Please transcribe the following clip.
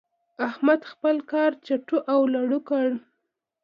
احمد خپل کار چټو او لړو کړ.